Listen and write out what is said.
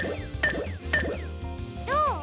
どう？